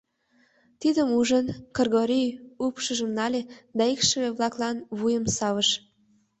Тидым ужын, Кыргорий упшыжым нале да икшыве-влаклан вуйым савыш.